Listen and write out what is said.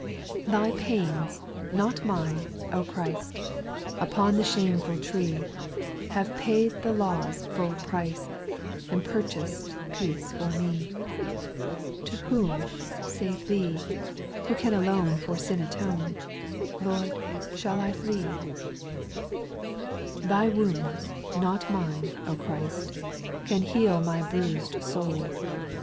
2, Thy pains, not mine, O Christ I Upon the shameful tree, Have paid the law's full price, And purchased peace for me. To whom, save Thee, etc. 3, Thy wounds, not mine, O Christ 1 Can heal my bruised soul.